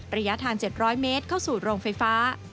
ระยะทาง๗๐๐เมตรเข้าสู่โรงไฟฟ้า